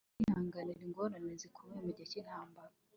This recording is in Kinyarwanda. Bagombaga kwihanganira ingorane zikomeye mugihe cyintambara